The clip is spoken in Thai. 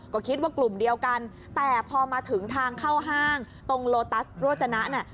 ก็คิดว่ากลุ่มเดียวกันแต่พอมาถึงทางเข้าห้างตรงโลตัสโรจนะเนี่ย